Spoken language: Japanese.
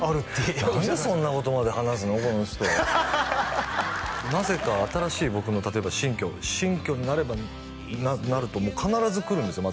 なんでそんなことまで話すのこの人はなぜか新しい僕の例えば新居新居になると必ず来るんですよ